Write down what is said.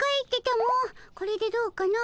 これでどうかの。